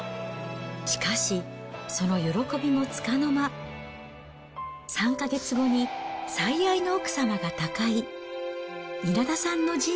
しかし、その喜びもつかの間、３か月後に最愛の奥様が他界。